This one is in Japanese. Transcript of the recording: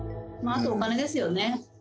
あとお金ですよね